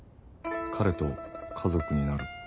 彼と家族になる。